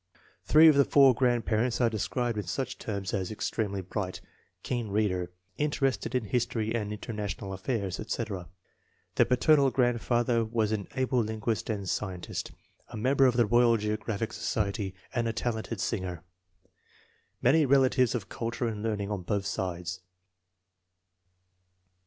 Three of the four grandparents are described in such terms as " extremely bright," "keen reader," "inter ested in history and international affairs," etc. The paternal grandfather was an " able linguist and scien tist," a member of the Royal Geographic Society, and FORTY ONE SUPERIOR CHILDREN 223 a talented singer. Many relatives of culture and learning on both sides.